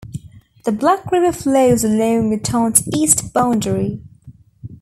The Black River flows along the town's east boundary.